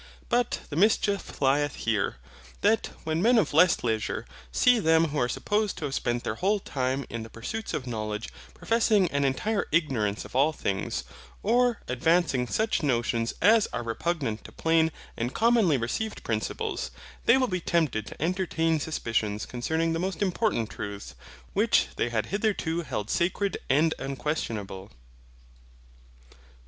But the mischief lieth here; that when men of less leisure see them who are supposed to have spent their whole time in the pursuits of knowledge professing an entire ignorance of all things, or advancing such notions as are repugnant to plain and commonly received principles, they will be tempted to entertain suspicions concerning the most important truths, which they had hitherto held sacred and unquestionable.